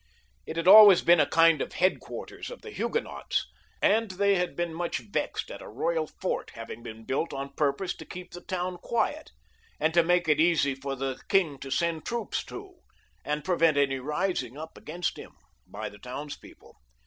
It had always been a kind of headquarters of the Huguenots, and they had been much vexed at a royal fort having been built on purpose to keep the town quiet, and to make it easy for the king to send troops in and prevent any rising up against him by the townspeople.